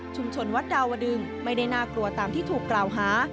วัดดาวดึงไม่ได้น่ากลัวตามที่ถูกกล่าวหา